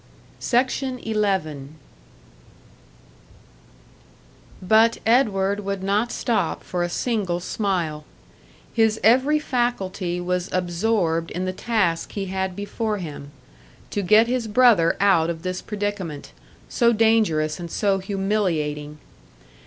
But Edward would not stop for a single smile; his every faculty was absorbed in the task he had before him, to get his brother out of this predicament, so dangerous and so humiliating.